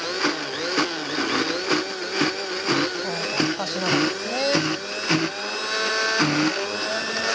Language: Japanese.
足しながらですね。